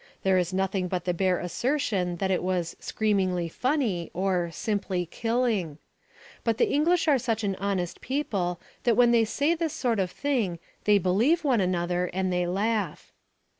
There is nothing but the bare assertion that it was "screamingly funny" or "simply killing." But the English are such an honest people that when they say this sort of thing they believe one another and they laugh.